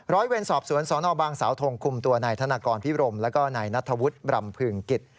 รอยเว็นสอบสวนศนบางสาวธงคุมตัวในธนกรพิบรมและในนัฑวุธบรำพึงกิต